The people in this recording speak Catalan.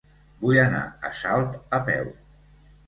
Vull anar a Salt a peu.